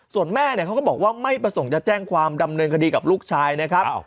ส่วนแม่เนี่ยเขาก็บอกว่าไม่ประสงค์จะแจ้งความดำเนินคดีกับลูกชายนะครับ